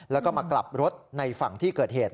แล้วก็มากลับรถในฝั่งที่เกิดเหตุ